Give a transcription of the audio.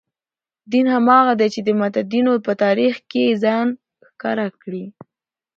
دین هماغه دی چې د متدینو په تاریخ کې یې ځان ښکاره کړی.